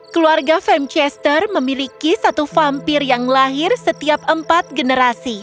keluarga femchester memiliki satu vampir yang lahir setiap empat generasi